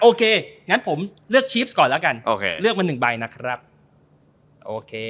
โอเคงั้นผมเลือกชีฟก่อนแล้วกันโอเคเลือกมาหนึ่งใบนะครับโอเค